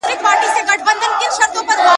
پر منبر دي ډیري توی کړې له مکارو سترګو اوښکي `